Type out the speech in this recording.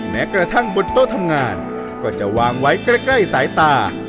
แม้กระทั่งบนโต๊ะทำงานก็จะวางไว้ใกล้สายตา